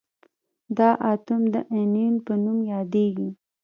دا اتوم د انیون په نوم یادیږي.